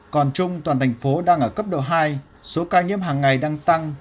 còn trung toàn thành phố đang ở cấp độ hai số ca nhiễm hàng ngày đang tăng